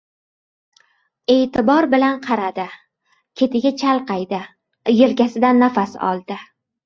E’tibor bilan qaradi. Ketiga chalqaydi. Yelkasidan nafas oldi.